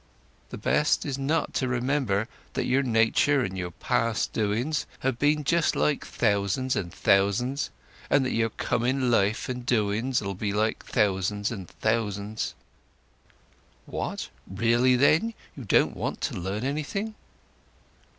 The best is not to remember that your nature and your past doings have been just like thousands' and thousands', and that your coming life and doings 'll be like thousands' and thousands'." "What, really, then, you don't want to learn anything?"